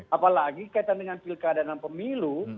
apalagi kaitan dengan pilkadanan pemilu